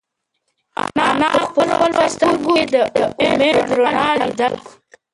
انا په خپلو سترگو کې د امید رڼا لیدله.